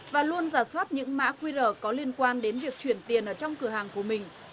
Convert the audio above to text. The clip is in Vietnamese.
và luôn giả soát những mã qr có liên quan đến việc chuyển tiền ở trong cửa hàng của mình